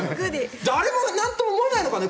誰もなんとも思わないのかね